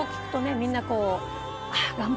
みんなこう。